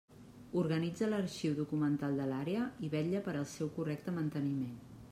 Organitza l'arxiu documental de l'Àrea i vetlla per al seu correcte manteniment.